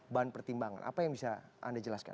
bahan pertimbangan apa yang bisa anda jelaskan